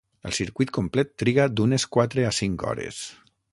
El circuit complet triga d'unes quatre a cinc hores.